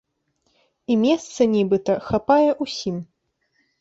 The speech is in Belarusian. І месца, нібыта, хапае ўсім.